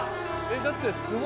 だってすごい。